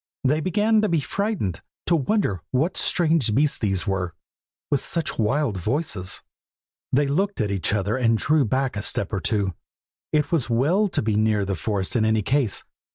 They began to be frightened, to wonder what strange beasts these were, with such wild voices. They looked at each other and drew back a step or two, it was well to be near the forest in any case.